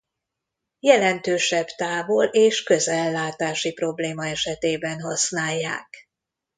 Jelentősebb távol és közellátási probléma esetében használják.